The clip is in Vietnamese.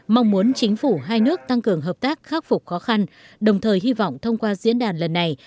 mong muốn chính phủ hai nước tăng cường hợp tác khắc phục khó khăn đồng thời hy vọng thông qua diễn đàn lần này